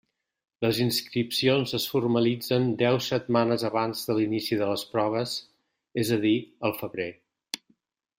Les inscripcions es formalitzen deu setmanes abans de l'inici de les proves, és a dir, al febrer.